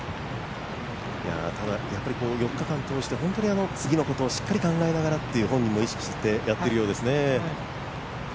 ４日間通して、次のことを考えながらということを本人も意識してやっているようですね。